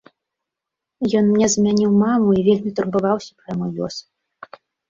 Ён мне замяніў маму і вельмі турбаваўся пра мой лёс.